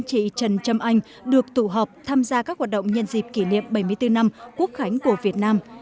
chị trần trâm anh được tụ hợp tham gia các hoạt động nhân dịp kỷ niệm bảy mươi bốn năm quốc khánh của việt nam